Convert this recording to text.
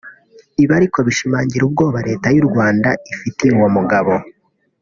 Ibi ariko bishimangira ubwoba Leta y’u Rwanda ifitiye uwo mugabo